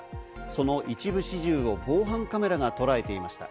その一部始終を防犯カメラがとらえていました。